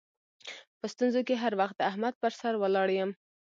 په ستونزو کې هر وخت د احمد پر سر ولاړ یم.